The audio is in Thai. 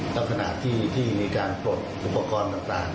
ลักษณะที่มีการปลดอุปกรณ์ต่าง